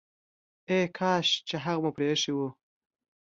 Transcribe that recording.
ای کاش چي هغه مو پريښی وو!